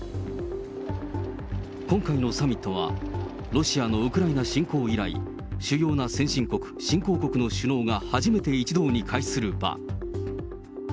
今回のサミットは、ロシアのウクライナ侵攻以来、主要な先進国、新興国の首脳が初めて一堂に会する場。